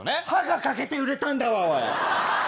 歯が欠けて売れたんだわ。